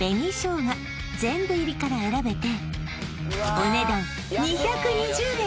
お値段２２０円